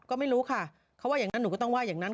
ก็ไม่รู้ค่ะเขาว่าอย่างนั้นหนูก็ต้องว่าอย่างนั้น